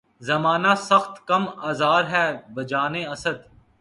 زمانہ سخت کم آزار ہے بجانِ اسد